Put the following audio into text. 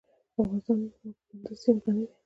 افغانستان په کندز سیند غني دی.